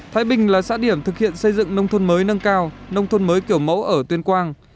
thái bình là xã điểm thực hiện xây dựng nông thôn mới nâng cao nông thôn mới kiểu mẫu ở tuyên quang